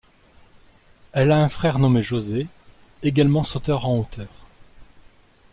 Elle a un frère nommé José, également sauteur en hauteur.